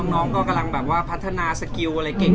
น้องก็กำลังแบบว่าพัฒนาสอง